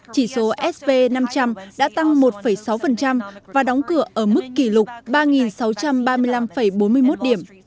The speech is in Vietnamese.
chỉ số sp năm trăm linh đã tăng một sáu và đóng cửa ở mức kỷ lục ba sáu trăm ba mươi năm bốn mươi một điểm